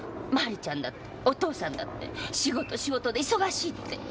マリちゃんだってお父さんだって仕事仕事で忙しいって。